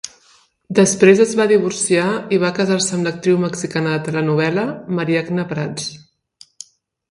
Després es va divorciar i va casar-se amb l'actriu mexicana de telenovel·la Mariagna Pratts.